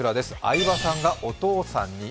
相葉さんがお父さんに。